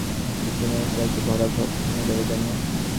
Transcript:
একেবারে ভুলিয়ে দাও যে, আমি এসেছিলেম ওঁর সৌভাগ্যের ভরা ঘট ভেঙে দেবার জন্যে।